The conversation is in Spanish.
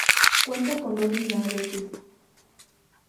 Cuenta con dos minaretes.